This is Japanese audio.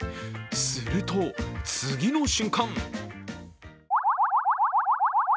すると、次の瞬間